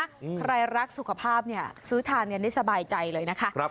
ใครรักสุขภาพเนี่ยซื้อทานกันได้สบายใจเลยนะคะ